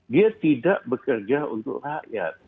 dia tidak bekerja untuk rakyat